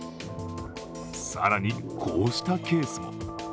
更に、こうしたケースも。